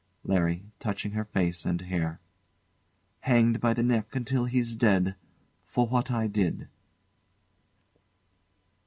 LARRY. [Touching her face and hair] Hanged by the neck until he's dead for what I did.